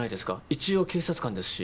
一応警察官ですし。